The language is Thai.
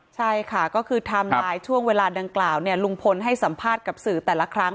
ใช่ค่ะก็คือไทม์ไลน์ช่วงเวลาดังกล่าวลุงพลให้สัมภาษณ์กับสื่อแต่ละครั้ง